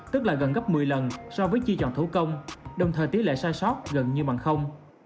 tức là gần gấp một mươi lần so với chi chọn thủ công đồng thời tỷ lệ sai sót gần như bằng không